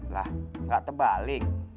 lah gak terbalik